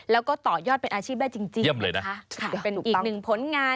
แล้วก็ต่อยอดเป็นอาชีพได้จริงเลยนะคะเป็นอีกหนึ่งผลงาน